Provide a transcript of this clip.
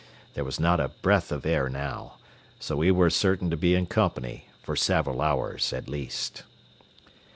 There was not a breath of air now, so we were certain to be in company for several hours at least.